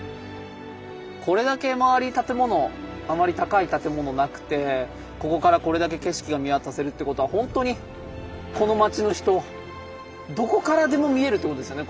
これだけ周りに建物あまり高い建物なくてここからこれだけ景色が見渡せるってことはほんとにこの街の人どこからでも見えるってことですよね